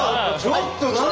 ちょっと何？